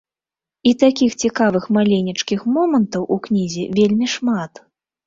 І такіх цікавых маленечкіх момантаў у кнізе вельмі шмат.